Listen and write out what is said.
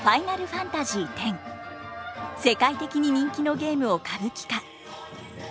世界的に人気のゲームを歌舞伎化。